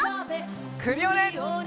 クリオネ！